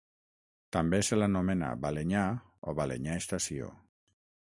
També se l'anomena Balenyà o Balenyà Estació.